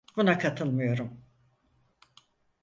Buna katılmıyorum.